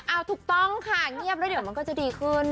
เอาถูกต้องค่ะเงียบแล้วเดี๋ยวมันก็จะดีขึ้น